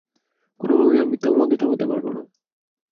কোনোভাবেই আমি তোমাকে থামাতে পারব না।